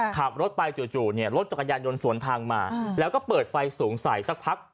ขับรถไปจู่เนี่ยรถจักรยานยนต์สวนทางมาแล้วก็เปิดไฟสูงใสสักพัก